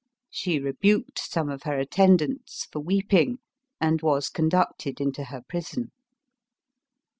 She rebuked some of her attendants for weeping, and was conducted into her prison.